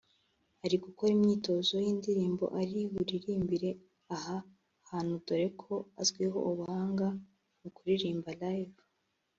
Ari gukora imyitozo y’indirimbo ari buririmbire aha hantu dore ko azwiho ubuhanga mu kuririmba live